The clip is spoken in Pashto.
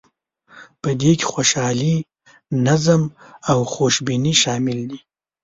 په دې کې خوشحالي، نظم او خوشبیني شامل دي.